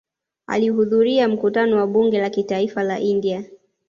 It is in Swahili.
Alihudhuria mkutano wa Bunge la Kitaifa la India